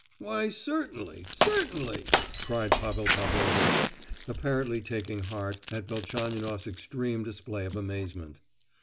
"Why, certainly—certainly!" cried Pavel Pavlovitch, apparently taking heart at Velchaninoff's extreme display of amazement.